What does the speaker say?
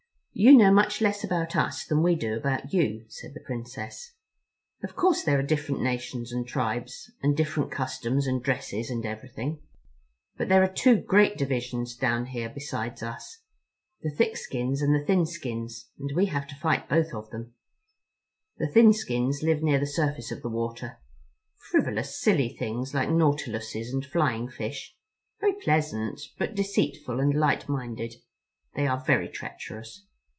"You know much less about us than we do about you," said the Princess. "Of course there are different nations and tribes, and different customs and dresses and everything. But there are two great divisions down here besides us, the Thick Heads and the Thin Skins, and we have to fight both of them. The Thin Skins live near the surface of the water, frivolous, silly things like nautiluses and flying fish, very pleasant, but deceitful and light minded. They are very treacherous.